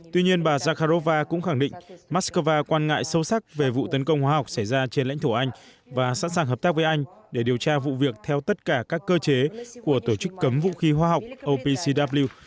tuy nhiên bà zakharova cũng khẳng định moscow quan ngại sâu sắc về vụ tấn công hóa học xảy ra trên lãnh thổ anh và sẵn sàng hợp tác với anh để điều tra vụ việc theo tất cả các cơ chế của tổ chức cấm vũ khí hóa học opcw